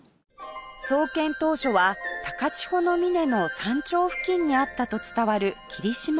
創建当初は高千穂峰の山頂付近にあったと伝わる霧島神宮